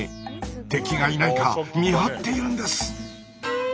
敵がいないか見張っているんです。